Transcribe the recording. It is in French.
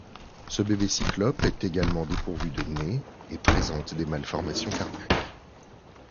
Ce bébé cyclope est également dépourvu de nez et présente des malformations cardiaques.